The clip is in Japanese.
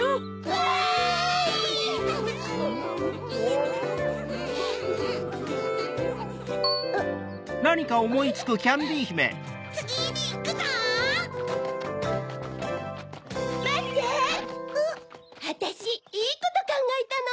わたしいいことかんがえたの！